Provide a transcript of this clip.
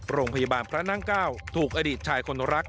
โรงพยาบาลพระนางเก้าถูกอดีตชายคนรัก